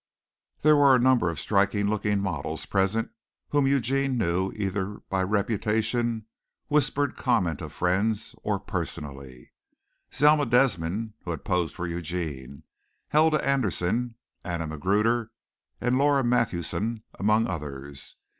There were a number of striking looking models present whom Eugene knew either by reputation, whispered comment of friends, or personally Zelma Desmond, who had posed for Eugene, Hedda Anderson, Anna Magruder and Laura Matthewson among others.